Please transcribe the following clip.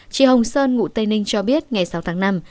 chị hồng sơn ngụ tây ninh cho biết ngày sáu tháng năm